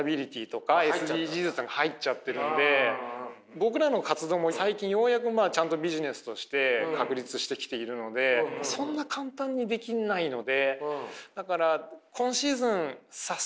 僕らの活動も最近ようやくちゃんとビジネスとして確立してきているのでそんな簡単にできないので。